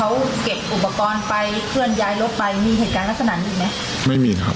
เขาเก็บอุปกรณ์ไปเคลื่อนย้ายรถไปมีเหตุการณ์ลักษณะนี้อีกไหมไม่มีครับ